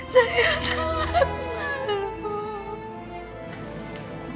saya sangat leluhur